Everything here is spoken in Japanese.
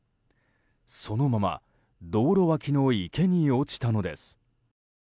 そのまま道路脇の池に落ちたのです。